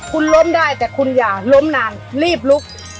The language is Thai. คุณล้มได้แต่คุณอย่าล้มนานรีบลุก